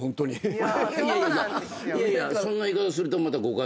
いやいやそんな言い方するとまた誤解受けるか。